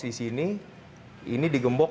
di sini ini digembok